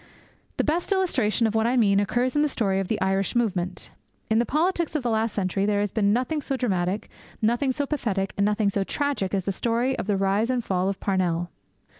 The best illustration of what I mean occurs in the story of the Irish movement. In the politics of the last century there has been nothing so dramatic, nothing so pathetic, and nothing so tragic as the story of the rise and fall of Parnell.